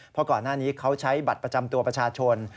เพราะก่อนหน้านี้เขาใช้บัตรประจำตัวประชาชน